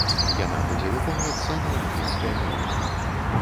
Яна будзе выконвацца на англійскай мове.